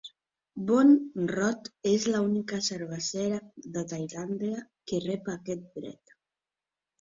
Boon Rawd és la única cervesera de Tailàndia que rep aquest dret.